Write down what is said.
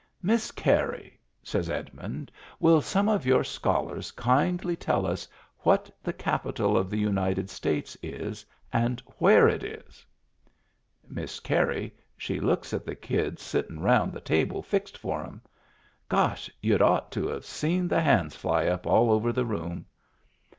"Miss Carey," says Edmund, "will some of your scholars kindly tell us what the capital of the United States is, and where it is ?" Miss Carey she looks at the kids sittin' around the table fixed for 'em. Gosh, y'u'd ought to have seen the hands fly up all over the room!